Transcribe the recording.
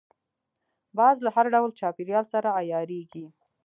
باز له هر ډول چاپېریال سره عیارېږي